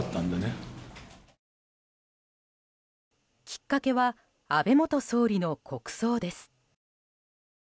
きっかけは安倍元総理の国葬です。